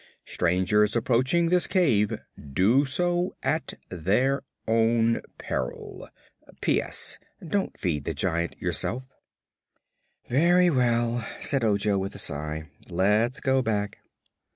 STRANGERS APPROACHING THIS CAVE DO SO AT THEIR OWN PERIL! P.S. Don't feed the Giant yourself." "Very well," said Ojo, with a sigh; "let's go back."